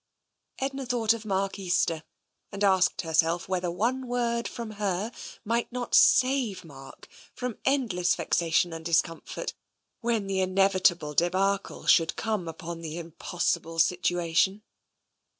Edna thought of Mark Easter, and asked herself whether one word from her might not save Mark from endless vexation and discomfort when the inevitable debacle should come upon the impossible situation.